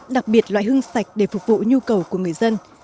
đặc biệt loại hưng sạch để phục vụ nhu cầu của người dân